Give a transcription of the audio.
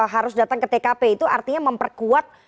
harus datang ke tkp itu artinya memperkuat